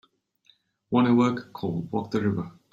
Want a work called Walk the River